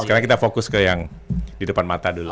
sekarang kita fokus ke yang di depan mata dulu